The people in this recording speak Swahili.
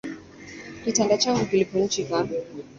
Kitanda changu kilivunjika